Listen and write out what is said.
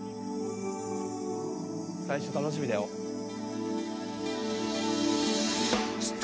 最初楽しみだよ。お！う！お！